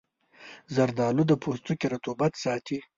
زردآلو د پوستکي رطوبت ساتي.